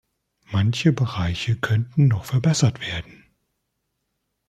Manche Bereiche könnten noch verbessert werden.